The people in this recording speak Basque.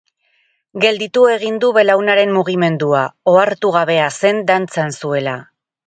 Gelditu egin du belaunaren mugimendua, ohartu gabea zen dantzan zuela.